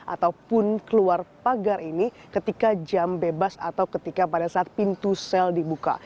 ataupun keluar pagar ini ketika jam bebas atau ketika pada saat pintu sel dibuka